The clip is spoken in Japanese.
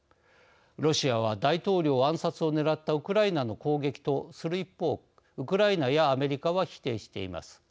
ロシアは大統領暗殺を狙ったウクライナの攻撃とする一方ウクライナやアメリカは否定しています。